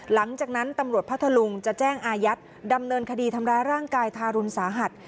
หลังจากนั้นตำรวจพัทธลุงจะแจ้งอายัดดำเนินคดีทำร้ายร่างกายทารุณสาหัส